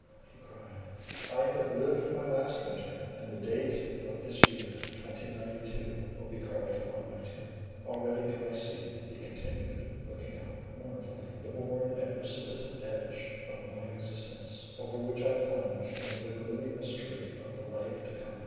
he cried. "I have lived my last winter, and the date of this year, 2092, will be carved upon my tomb. Already do I see," he continued, looking up mournfully, "the bourne and precipitate edge of my existence, over which I plunge into the gloomy mystery of the life to come.